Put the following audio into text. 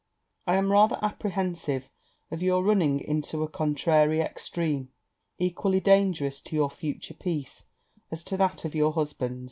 I am rather apprehensive of your running into a contrary extreme, equally dangerous to your future peace, as to that of your husband.